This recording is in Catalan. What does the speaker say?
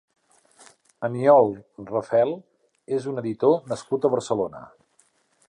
Aniol Rafel és un editor nascut a Barcelona.